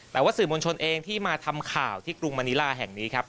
แต่ว่าสื่อมวลชนเองที่มาทำข่าวที่กรุงมณิลาแห่งนี้ครับ